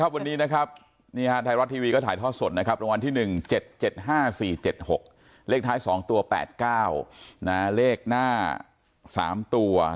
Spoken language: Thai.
มันไม่ต้องถูกสักเลขอ่ะ